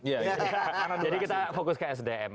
jadi kita fokus ke sdm